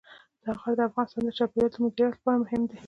دا غر د افغانستان د چاپیریال د مدیریت لپاره مهم دی.